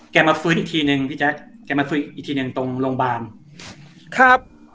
มาฟื้นอีกทีนึงพี่แจ๊คแกมาฟื้นอีกทีหนึ่งตรงโรงพยาบาลครับ